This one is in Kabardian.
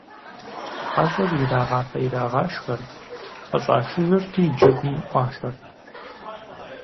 ХьэщӀэр ирагъафэ-ирагъашхэрт, къыщӀашыжырти джэгум Ӏуашэрт.